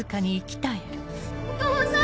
お父さん！